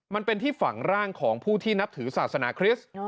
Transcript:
มันเป็นที่ฝังร่างของผู้ที่นับถือศาสนาคริสต์